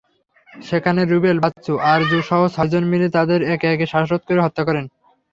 সেখানে রুবেল, বাচ্চু, আরজুসহ ছয়জন মিলে তাদের একে একে শ্বাসরোধে হত্যা করেন।